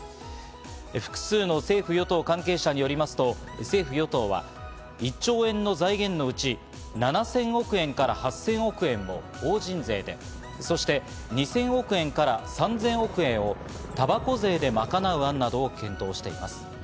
複数の政府・与党関係者によりますと、政府・与党は１兆円の財源のうち７０００億円から８０００億円を法人税で、２０００億円から３０００億円をたばこ税で賄う案などを検討しています。